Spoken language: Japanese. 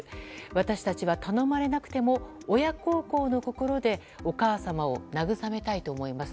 私たちは頼まれなくても親孝行の心でお母さまを慰めたいと思います。